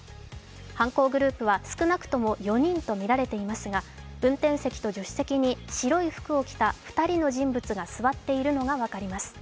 犯行グループは少なくとも４人とみられていますが運転席と助手席に白い服を着た２人の人物が座っているのが分かります。